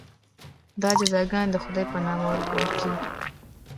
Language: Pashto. دا جزاګانې د خدای په نامه ورکول کېږي.